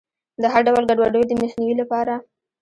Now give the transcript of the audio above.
د هر ډول ګډوډیو د مخنیوي لپاره.